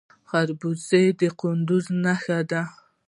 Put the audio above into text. خربوزه د کندز نښه ده.